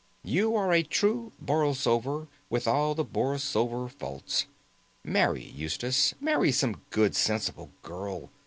You are a true Borlsover, with all the Borlsover faults. Marry, Eustace. Marry some good, sensible girl.